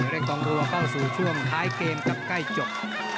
กองตัวเข้าสู่ช่วงท้ายเกมกับใกล้จบ